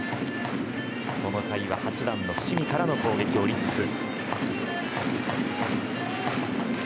この回は８番の伏見からの攻撃オリックス。